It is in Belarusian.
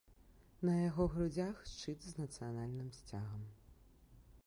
На яго грудзях шчыт з нацыянальным сцягам.